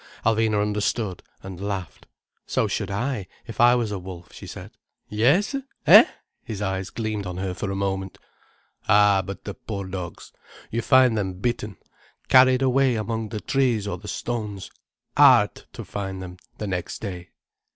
Alvina understood, and laughed. "So should I, if I was a wolf," she said. "Yes—eh?" His eyes gleamed on her for a moment. "Ah but, the poor dogs! You find them bitten—carried away among the trees or the stones, hard to find them, poor things, the next day."